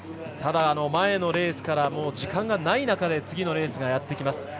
ただ、前のレースから時間がない中で次のレースがやってきます。